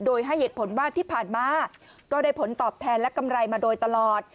โดยให้เหตุผลว่าที่ผ่านมาก็ได้ผลตอบแทนและกำไรมาโดยตลอด